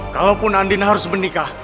kalaupun andin harus menikah